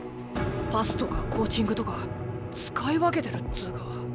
パスとかコーチングとか使い分けてるっつうか。